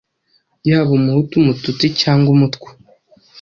yaba Umuhutu, Umututsi cyangwa Umutwa,